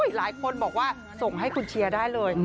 หลายคนบอกว่าส่งให้คุณเชียร์ได้เลย